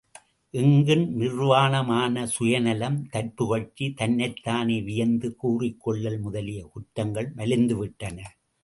எங்கும் நிர்வாணமான சுயநலம் தற்புகழ்ச்சி தன்னைத்தானே வியந்து கூறிக் கொள்ளல், முதலிய குற்றங்கள் மலிந்துவிட்டன.